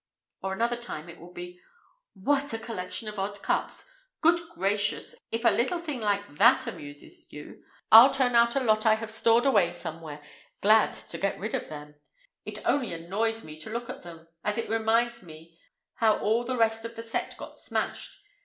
Or another time it will be: "What a collection of odd cups! Good gracious, if a little thing like that amuses you, I'll turn out a lot I have stored away somewhere, glad to get rid of them; it only annoys me to look at them, as it reminds me how all the rest of the set got smashed.